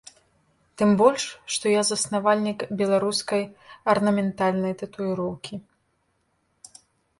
Тым больш, што я заснавальнік беларускай арнаментальнай татуіроўкі.